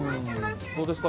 どうですか？